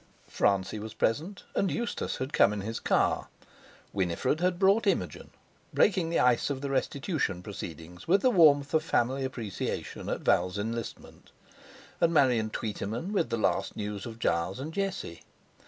Francie was present, and Eustace had come in his car; Winifred had brought Imogen, breaking the ice of the restitution proceedings with the warmth of family appreciation at Val's enlistment; and Marian Tweetyman with the last news of Giles and Jesse.